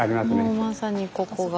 もうまさにここが。